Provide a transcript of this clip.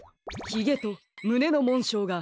ひげとむねのもんしょうが